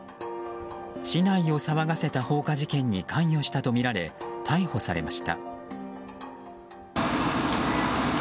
市内を騒がせた放火事件に関与したとみられ逮捕されました。